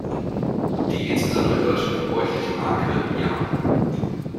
Die insbesondere in Deutschland gebräuchliche Marke "ja!